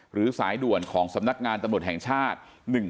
๐๒๓๕๔๖๙๕๘หรือสายด่วนของสำนักงานตำรวจแห่งชาติ๑๕๙๙